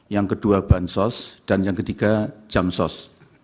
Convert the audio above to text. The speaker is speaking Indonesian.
yang kedua bansos dan yang ketiga jamsos